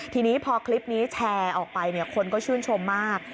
ทีนี้พอคลิปนี้แชร์ออกไปคนก็ชื่นชมมาก